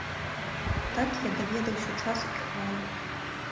Так я даведаўся час і хвалю.